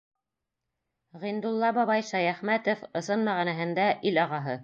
Ғиндулла бабай Шәйәхмәтов — ысын мәғәнәһендә ил ағаһы.